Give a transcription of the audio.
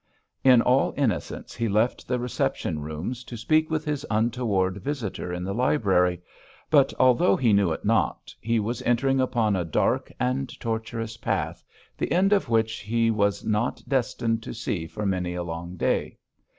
In all innocence he left the reception rooms to speak with his untoward visitor in the library; but although he knew it not, he was entering upon a dark and tortuous path, the end of which he was not destined to see for many a long day.